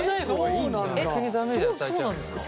逆にダメージ与えちゃうんですか？